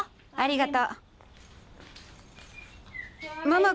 ありがとう。